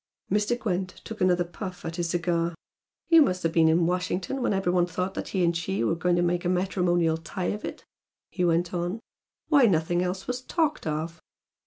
Mr. Gwent took another puff at his cigar. "You must have been in Washington when every one thought that he and she were going to make a matrimonial tie of it" he went on "Why, nothing else was talked of!"